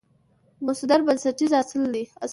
مصدر بنسټیز اصل دئ.